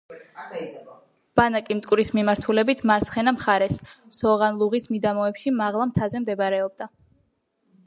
ბანაკი მტკვრის მიმართულებით მარცხენა მხარეს, სოღანლუღის მიდამოებში, მაღლა მთაზე მდებარეობდა.